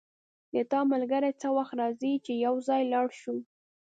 د تا ملګری څه وخت راځي چی یو ځای لاړ شو